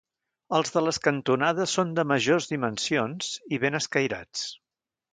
Els de les cantonades són de majors dimensions i ben escairats.